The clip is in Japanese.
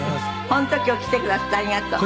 本当今日来てくだすってありがとう。